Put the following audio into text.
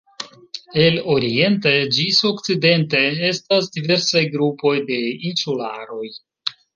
El oriente ĝis okcidente estas diversaj grupoj de insularoj.